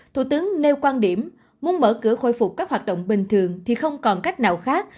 thủ tướng nêu quan điểm muốn mở cửa khôi phục các hoạt động bình thường thì không còn cách nào khác